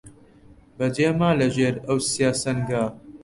بەجێ ما لە ژێر ئەو سیا سەنگا